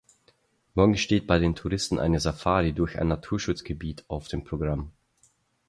Morgen steht bei den Touristen eine Safari durch ein Naturschutzgebiet auf dem Programm.